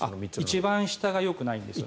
一番下がよくないんですよね。